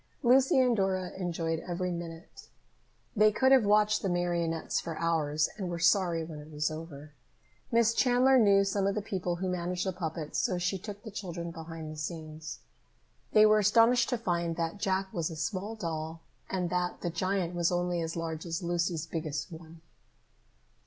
Lucy and Dora enjoyed every minute. They could have watched the marionettes for hours and were sorry when it was over. Miss Chandler knew some of the people who managed the puppets, so she took the children behind the scenes. They were astonished to find that Jack was a small doll, and that the giant was only as large as Lucy's biggest one.